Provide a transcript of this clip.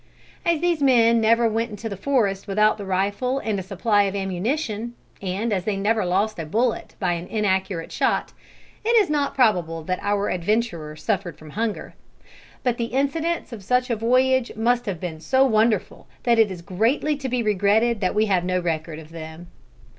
As these men never went into the forest without the rifle and a supply of ammunition, and as they never lost a bullet by an inaccurate shot, it is not probable that our adventurer suffered from hunger. But the incidents of such a voyage must have been so wonderful, that it is greatly to be regretted that we have no record of them.